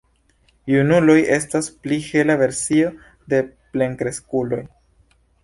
Junuloj estas pli hela versio de plenkreskuloj.